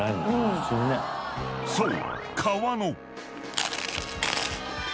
［そう］